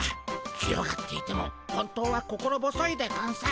強がっていても本当は心細いでゴンス。